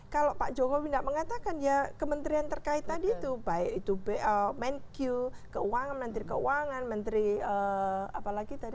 kalau pak jokowi tidak mengatakan ya kementerian terkait tadi itu baik itu menq keuangan menteri keuangan menteri apalagi tadi